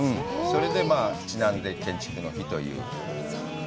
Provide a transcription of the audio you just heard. それにちなんで建築の日と。